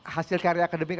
hasil karya akademik